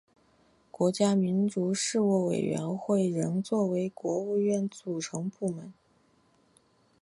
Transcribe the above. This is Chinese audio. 国家民族事务委员会仍作为国务院组成部门。